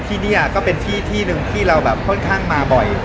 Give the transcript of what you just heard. ที่นี่ก็เป็นที่ที่หนึ่งที่เราแบบค่อนข้างมาบ่อย